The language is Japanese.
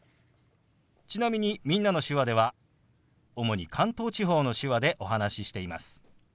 ちなみに「みんなの手話」では主に関東地方の手話でお話ししています。